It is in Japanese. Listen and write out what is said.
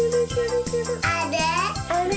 あれ？